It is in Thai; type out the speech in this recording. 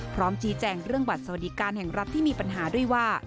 พร้อมชี้แจงเรื่องบัตรสวัสดิการแห่งรัฐที่มีปัญหาด้วยว่า